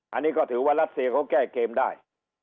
อันนี้ก็ถือว่ารัสเซียเขาแก้เกมได้